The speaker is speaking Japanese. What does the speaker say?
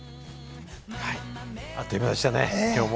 あっという間でしたね、今日も。